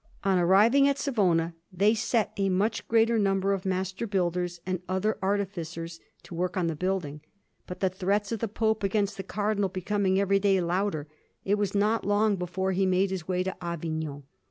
On arriving at Savona, they set a much greater number of master builders and other artificers to work on the building. But the threats of the Pope against the Cardinal becoming every day louder, it was not long before he made his way to Avignon.